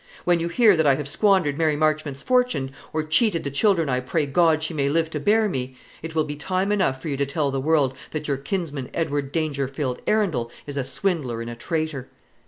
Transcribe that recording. When you hear that I have squandered Mary Marchmont's fortune, or cheated the children I pray God she may live to bear me, it will be time enough for you to tell the world that your kinsman Edward Dangerfield Arundel is a swindler and a traitor."